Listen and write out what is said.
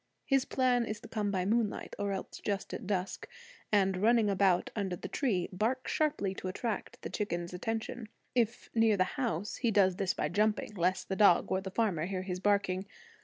His plan is to come by moonlight, or else just at dusk, and, running about under the tree, bark sharply to attract the chickens' attention. If near the house, he does this by jumping, lest the dog or the farmer hear his barking.